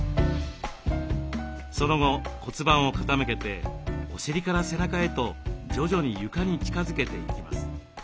その後骨盤を傾けてお尻から背中へと徐々に床に近づけていきます。